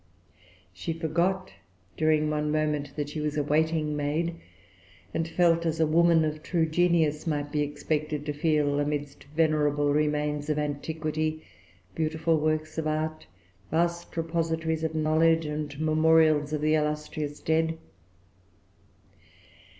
She forgot, during one moment, that she was a waiting maid, and felt as a woman of true genius might be expected to feel amidst venerable remains of antiquity, beautiful works of art, vast repositories of knowledge, and memorials of the illustrious dead.